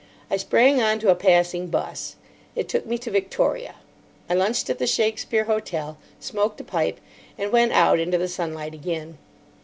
I sprang on to a passing 'bus. It took me to Victoria. I lunched at the Shakespeare Hotel, smoked a pipe, and went out into the sunlight again.